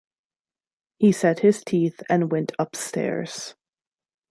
He set his teeth and went upstairs.